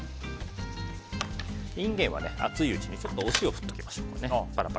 インゲンは熱いうちにお塩を振っておきましょう。